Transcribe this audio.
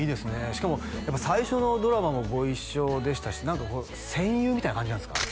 しかもやっぱ最初のドラマもご一緒でしたし何か戦友みたいな感じなんですか？